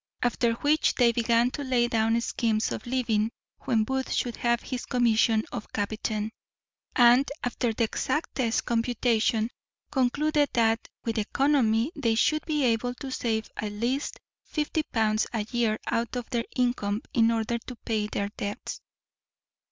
After which they began to lay down schemes of living when Booth should have his commission of captain; and, after the exactest computation, concluded that, with economy, they should be able to save at least fifty pounds a year out of their income in order to pay their debts.